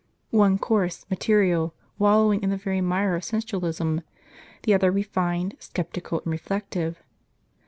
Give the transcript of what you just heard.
one coarse, material, wallowing in the very mire of sensualism ; the other refined, sceptical and reflective.